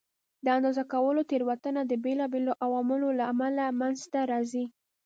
د اندازه کولو تېروتنه د بېلابېلو عواملو له امله منځته راځي.